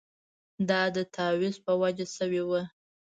دا د تاویز په وجه شوې وه.